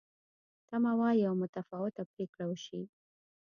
تمه وه یوه متفاوته پرېکړه وشي.